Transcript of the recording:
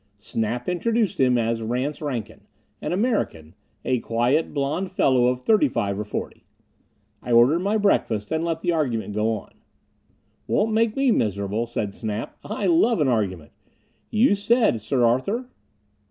Snap introduced him as Rance Rankin. An American a quiet, blond fellow of thirty five or forty. I ordered my breakfast and let the argument go on. "Won't make me miserable," said Snap. "I love an argument. You said, Sir Arthur?...